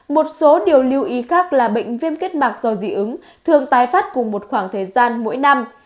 một số điều lưu ý khác là bệnh viêm kết mạc do dị ứng thường tái phát cùng một khoảng thời gian mỗi năm